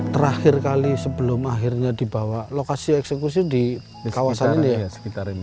terakhir kali sebelum akhirnya dibawa lokasi eksekusi di kawasan ini sekitar ini